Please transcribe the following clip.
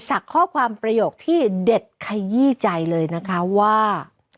ข้อความประโยคที่เด็ดขยี้ใจเลยนะคะว่า